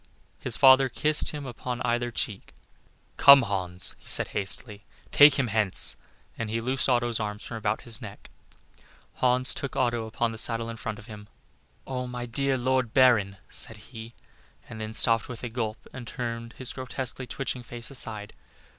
His father kissed him upon either cheek. "Come, Hans," said he, hastily, "take him hence;" and he loosed Otto's arms from about his neck. Hans took Otto upon the saddle in front of him. "Oh! my dear Lord Baron," said he, and then stopped with a gulp, and turned his grotesquely twitching face aside.